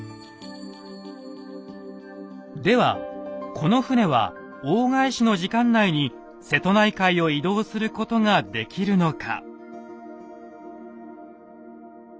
この船は大返しの時間内に瀬戸内海を移動することができるのか。